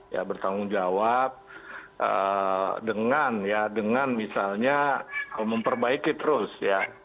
ya bertanggung jawab dengan ya dengan misalnya memperbaiki terus ya